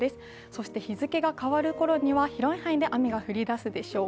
そして日付が変わるころには広い範囲で雨が降りだすでしょう。